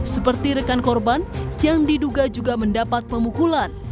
seperti rekan korban yang diduga juga mendapat pemukulan